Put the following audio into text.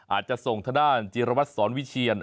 อาจจะส่งทางด้านจีรวัตรสอนวิเชียน